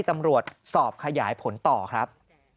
ตำรวจสอบขยายผลต่อครับ